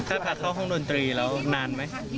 ถ้าพาเข้าห้องดนตรีแล้วนานไหม